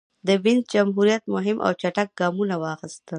د وینز جمهوریت مهم او چټک ګامونه واخیستل.